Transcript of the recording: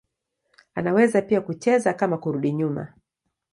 Anaweza pia kucheza kama kurudi nyuma.